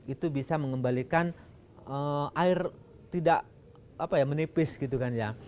itu bisa mengembalikan air tidak menipis gitu kan ya